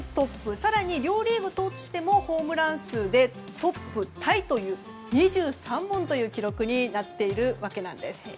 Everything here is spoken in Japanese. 更に両リーグ通してもホームラン数でトップタイという２３本という記録になっているわけです。